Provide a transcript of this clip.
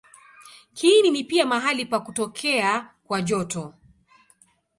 Kiini ni pia mahali pa kutokea kwa joto.